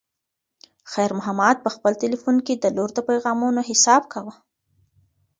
خیر محمد په خپل تلیفون کې د لور د پیغامونو حساب کاوه.